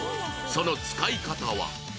その使い方は？